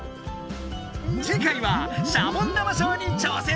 次回はシャボン玉ショーに挑戦だ！